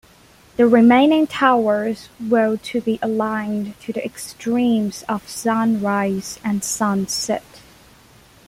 The remaining towers were to be aligned to the extremes of sunrise and sunset.